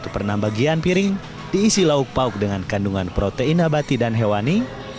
satu per enam bagian piring diisi lauk pauk dengan kandungan protein abati dan hewani